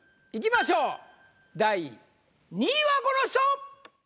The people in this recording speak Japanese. いきましょう第２位はこの人！